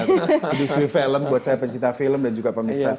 produksi film buat saya pencipta film dan juga pemeriksaan